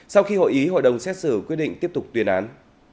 sau khi hội ý hội đồng xét xử quyết định tiếp tục tuyên án